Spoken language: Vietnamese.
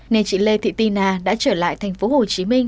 nên chị lê thị ti na đã trở lại thành phố hồ chí minh